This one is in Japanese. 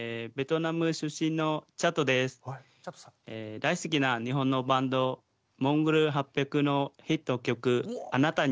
大好きな日本のバンドＭＯＮＧＯＬ８００のヒット曲「あなたに」。